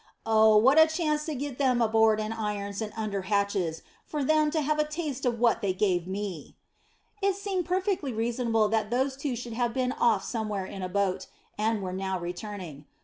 Oh, what a chance to get them aboard in irons and under hatches, for them to have a taste of what they gave me!" It seemed perfectly reasonable that those two should have been off somewhere in a boat, and were now returning.